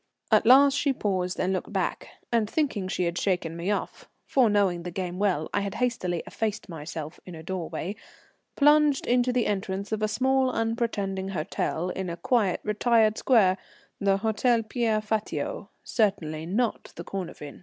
At last she paused and looked back, and thinking she had shaken me off (for knowing the game well I had hastily effaced myself in a doorway) plunged into the entrance of a small unpretending hotel in a quiet, retired square the Hôtel Pierre Fatio, certainly not the Cornavin.